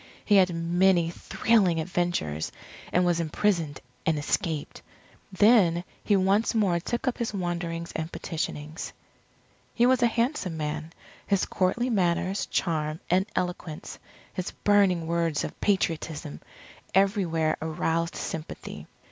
He had many thrilling adventures, and was imprisoned and escaped. Then he once more took up his wanderings and petitionings. He was a handsome man. His courtly manners, charm, and eloquence, his burning words of Patriotism, everywhere aroused sympathy.